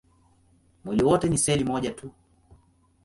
Mwili wote ni seli moja tu.